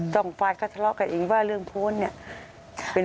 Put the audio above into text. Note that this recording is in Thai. สองฝ่ายก็ทะเลาะกันเองว่าเรื่องโพสต์เนี่ย